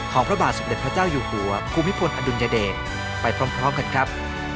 พระบาทสมเด็จพระเจ้าอยู่หัวภูมิพลอดุลยเดชไปพร้อมกันครับ